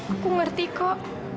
aku ngerti kok